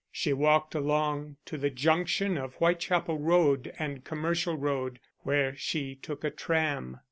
She walked along to the junction of Whitechapel Road and Commercial Road, where she took a tram.